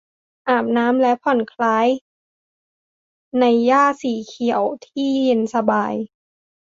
อาบน้ำและผ่อนคล้ายในหญ้าสีเขียวที่เย็นสบาย